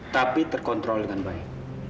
tapi terkontrol dengan baik